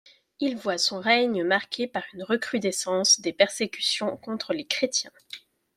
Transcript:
Il voit son règne marqué par une recrudescence des persécutions contre les chrétiens.